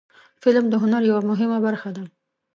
فلم د هنر یوه مهمه برخه ده